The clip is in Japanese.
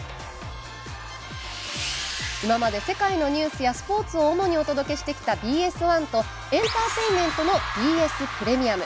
今まで世界のニュースやスポーツを主にお届けしてきたＢＳ１とエンターテインメントのＢＳプレミアム。